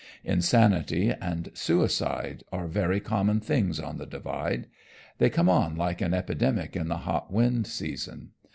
Insanity and suicide are very common things on the Divide. They come on like an epidemic in the hot wind season.